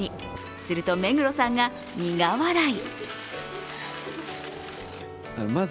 すると、目黒さんが苦笑い。